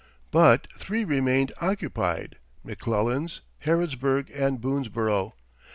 But three remained occupied McClellan's, Harrodsburg, and Boonesborough.